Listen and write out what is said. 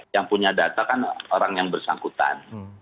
yang punya data kan orang yang bersangkutan